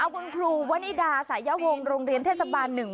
คุณครูวันอิดาสายอวงโรงเรียนเทศบาร์๑วัดต้นศน